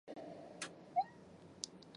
他的才华受到其他音乐家的重视。